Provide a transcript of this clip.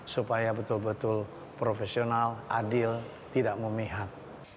supaya betul betul profesional adil tidak memihak